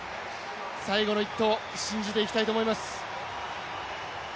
最後の１投、信じていきたいと思います。